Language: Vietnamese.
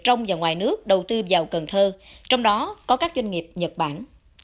trong và ngoài nước đầu tư vào cần thơ trong đó có các doanh nghiệp nhật bản